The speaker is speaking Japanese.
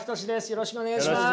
よろしくお願いします。